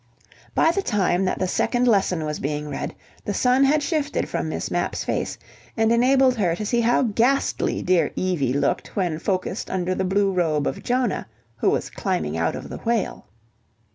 By the time that the second lesson was being read the sun had shifted from Miss Mapp's face, and enabled her to see how ghastly dear Evie looked when focused under the blue robe of Jonah, who was climbing out of the whale.